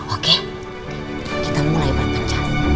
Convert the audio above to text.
oke kita mulai berpencang